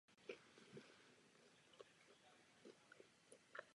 Je dalším typem nervové soustavy.